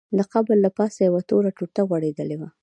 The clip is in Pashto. د قبر له پاسه یوه توره ټوټه غوړېدلې وه.